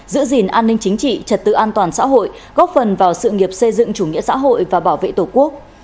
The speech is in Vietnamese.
giữ gìn an ninh chính trị trật tự an toàn xã hội góp phần vào sự nghiệp xây dựng chủ nghĩa xã hội và bảo vệ tổ quốc